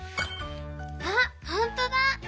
あほんとだ！